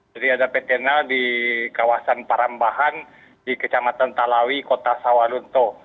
jadi ada pt nal di kawasan parambahan di kecamatan talawi kota sawalunto